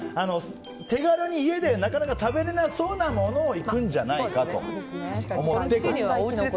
手軽に家でなかなか食べれなそうなものをいくんじゃないかと思って。